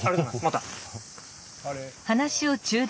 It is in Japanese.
また。